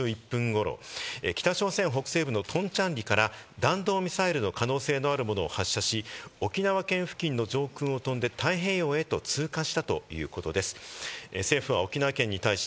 日本政府の発表によりますと北朝鮮はきょう午前３時５１分頃、北朝鮮北西部のトンチャンリから、弾道ミサイルの可能性があるものを発射し、沖縄県付近の上空を飛んで、太平洋へと通過したということです。